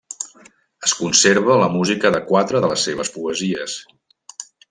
Es conserva la música de quatre de les seves poesies.